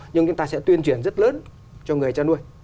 nhưng chúng ta sẽ tuyên truyền rất lớn cho người chăn nuôi